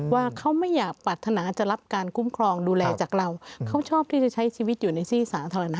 ว่าเขาไม่อยากปรัฐนาจะรับการคุ้มครองดูแลจากเราเขาชอบที่จะใช้ชีวิตอยู่ในที่สาธารณะ